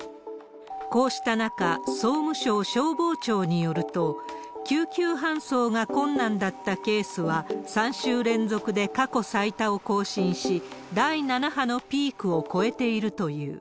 こうした中、総務省消防庁によると、救急搬送が困難だったケースは、３週連続で過去最多を更新し、第７波のピークを超えているという。